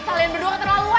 kalian berdua keterlaluan